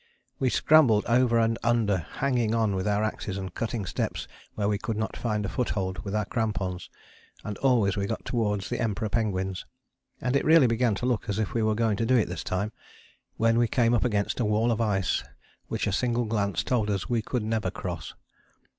We scrambled over and under, hanging on with our axes, and cutting steps where we could not find a foothold with our crampons. And always we got towards the Emperor penguins, and it really began to look as if we were going to do it this time, when we came up against a wall of ice which a single glance told us we could never cross.